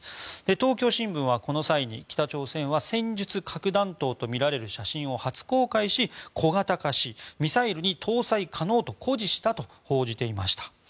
東京新聞はこの際に北朝鮮は戦術核弾頭とみられる写真を初公開し、小型化しミサイルに搭載可能と誇示したと報じていました。